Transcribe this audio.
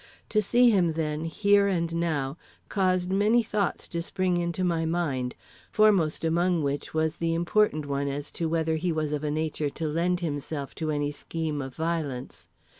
To see him, then, here and now, caused many thoughts to spring into my mind, foremost among which was the important one as to whether he was of a nature to lend himself to any scheme of violence.